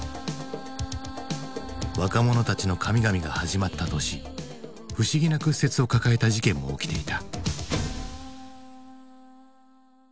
「若者たちの神々」が始まった年不思議な屈折を抱えた事件も起きていた。